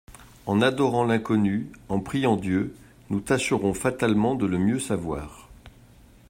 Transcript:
En adorant l'Inconnu, en priant Dieu, nous tâcherons fatalement de le mieux savoir.